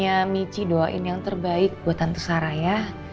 ya makanya mici doain yang terbaik buat tante sarah ya